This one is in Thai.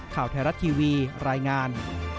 ข่าวแทรศทีวีรายงาน